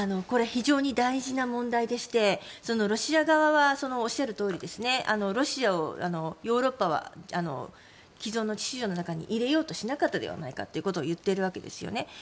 これは非常に大事な問題でしてロシア側はおっしゃるとおりロシアをヨーロッパは既存の秩序の中に入れようとしなかったではないかということを言っているわけですね。